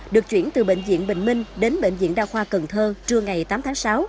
được chuyển từ bệnh viện bình minh đến bệnh viện đa khoa cần thơ trưa ngày tám tháng sáu